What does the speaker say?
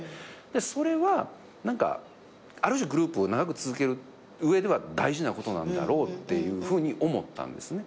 それはある種グループを長く続ける上では大事なことなんやろうっていうふうに思ったんですね。